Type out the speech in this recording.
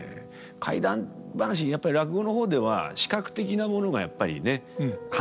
怪談噺やっぱり落語の方では視覚的なものがやっぱりね話だけですから。